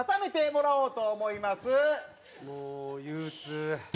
もう憂鬱。